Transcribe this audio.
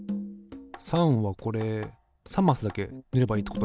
３はこれ３マスだけ塗ればいいってことね。